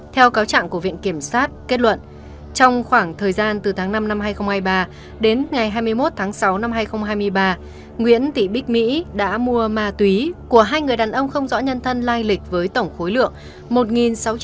theo cáo trạng của viện kiểm sát kết luận trong khoảng thời gian từ tháng năm năm hai nghìn hai mươi ba đến ngày hai mươi một tháng sáu năm hai nghìn hai mươi ba nguyễn thị bích mỹ đã mua ma túy của hai người đàn ông không rõ nhân thân lai lịch với tổng khối lượng